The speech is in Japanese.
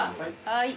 はい。